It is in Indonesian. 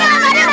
udah bawah bawah